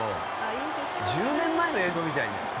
１０年前の映像みたいじゃん。